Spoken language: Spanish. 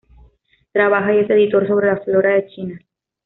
Trabaja y es editor sobre la flora de China.